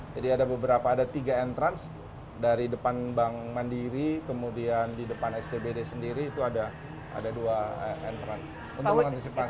jadi ada beberapa ada tiga entrance dari depan bank mandiri kemudian di depan scbd sendiri itu ada dua entrance untuk mengantisipasi